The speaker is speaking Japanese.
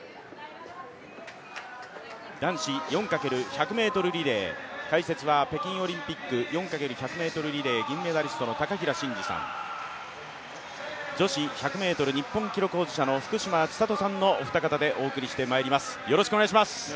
男子４×１００ｍリレー、解説は北京オリンピック４×１００ｍリレー銀メダリストの高平慎士さん、女子１００ｍ日本記録保持者の福島千里さんのお二方でお送りしてまいります。